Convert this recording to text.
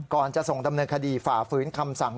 ก่อนจะส่งดำเนินคดีฝ่าฝืนคำสั่ง